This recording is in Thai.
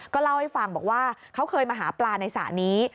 เล่าให้ฟังบอกว่าเขาเคยมาหาปลาในสระนี้